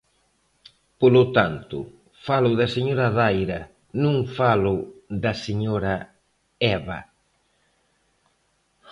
Polo tanto, falo da señora Daira, non falo da señora Eva.